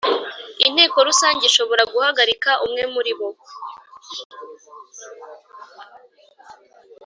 Inteko Rusange ishobora guhagarika umwe muribo